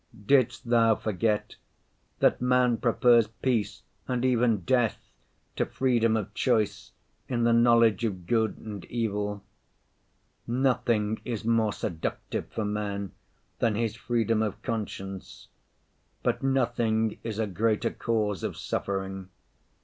Didst Thou forget that man prefers peace, and even death, to freedom of choice in the knowledge of good and evil? Nothing is more seductive for man than his freedom of conscience, but nothing is a greater cause of suffering.